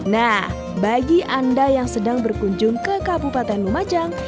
nah bagi anda yang sedang berkunjung ke kabupaten lumajang